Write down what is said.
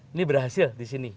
ini berhasil di sini